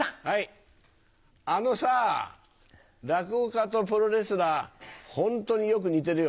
あのさ落語家とプロレスラーホントによく似てるよな。